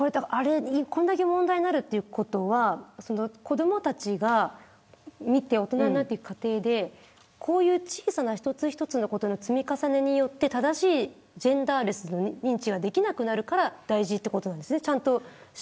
これだけ問題になるということは子どもたちが見て大人になる過程でこういう小さな一つ一つのことの積み重ねによって正しいジェンダーレスの認知ができなくなるから大事ということなんですよね。